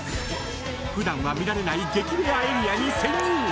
普段は見られない激レアエリアに潜入。